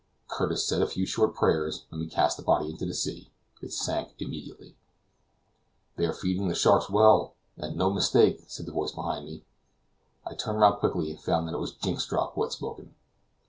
Curtis said a few short prayers, and we cast the body into the sea. It sank immediately. "They are feeding the sharks well, and no mistake," said a voice behind me. I turned round quickly, and found that it was Jynxstrop who had spoken.